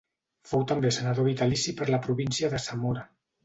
Fou també senador vitalici per la província de Zamora.